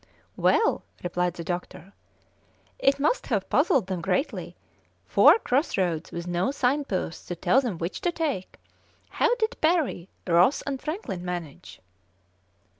"Well," replied the doctor, "it must have puzzled them greatly; four cross roads with no sign posts to tell them which to take. How did Parry, Ross, and Franklin manage?"